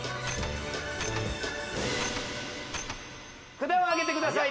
札をあげてください